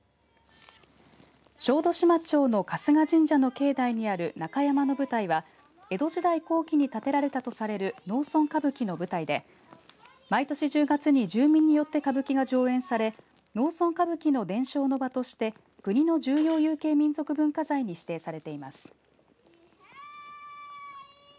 小豆島町の春日神社の境内にある中山の舞台は江戸時代後期に建てられたとされる農村歌舞伎の舞台で毎年１０月に住民によって歌舞伎が上演され農村歌舞伎の伝承の場として国の重要有形民俗文化財に指定されています。